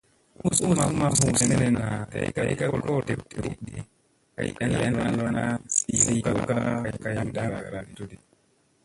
Uuzu ma huu sene day ka kolo dew ɗi, kay ana lona sii yoo ka kay ndaŋgara tu di.